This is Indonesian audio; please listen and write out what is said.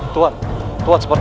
gini di renee bersama